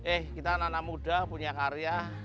eh kita anak anak muda punya karya